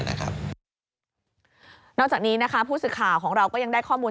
นอกจากนี้นะคะผู้สื่อข่าวของเราก็ยังได้ข้อมูล